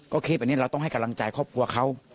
ก็คลิปอันนี้เราต้องให้กำลังใจครอบครัวเขา